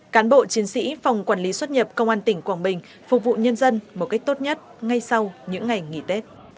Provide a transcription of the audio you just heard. cán bộ chiến sĩ phòng quản lý xuất nhập công an tỉnh quảng bình phục vụ nhân dân một cách tốt nhất ngay sau những ngày nghỉ tết